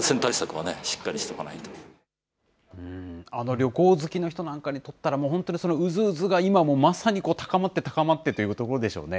旅行好きの人にとったら、もう本当にうずうずが、今もまさに高まって高まってというところでしょうね。